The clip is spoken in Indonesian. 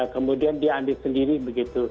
kemudian dia ambil sendiri begitu